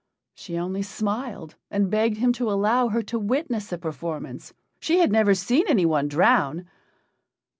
She only smiled, and begged him to allow her to witness the performance she had never seen anyone drown.